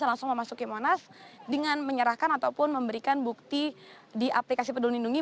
kalau anda parkir mobil ataupun ke daerah anda bisa langsung memasuki monas dengan menyerahkan ataupun memberikan bukti di aplikasi pedulun indungi